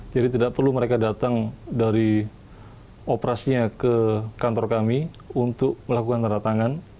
jadi tidak perlu mereka datang dari operasinya ke kantor kami untuk melakukan rata rata tangan